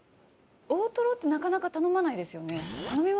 大トロってなかなか頼まないですよね。